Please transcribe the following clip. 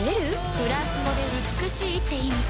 フランス語で美しいって意味。